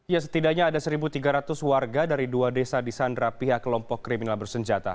ya setidaknya ada satu tiga ratus warga dari dua desa di sandra pihak kelompok kriminal bersenjata